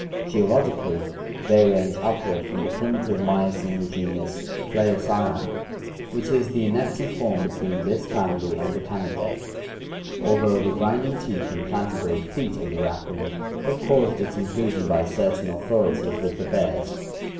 Geologically they range upward from the primitive Miocene genus Phlaocyon, which is the annectant form between this family and the Canidae, although the grinding teeth and plantigrade feet of the raccoon have caused its inclusion by certain authorities with the bears.